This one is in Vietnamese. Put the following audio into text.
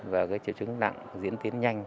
và cái triệu chứng nặng diễn tiến nhanh